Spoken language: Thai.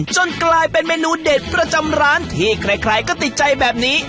จนกลายเป็นเมนูเด็ดประจำร้านที่ใครก็ติดใจแบบนี้